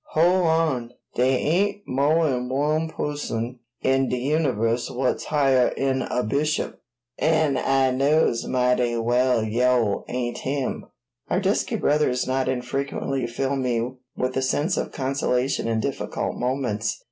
"Hol' on! Dey ain't mo'n one puhson in de Universe whut's higher 'n a bishop, an' I knows mighty well yo' ain't Him!" Our dusky brothers not infrequently fill me with a sense of consolation in difficult moments.